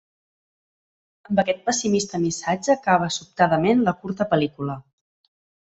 Amb aquest pessimista missatge acaba sobtadament la curta pel·lícula.